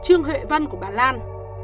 trương huệ vân của bà lan